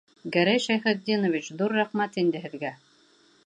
Гәрәй Шәйхетдинович, ҙур рәхмәт инде һеҙгә!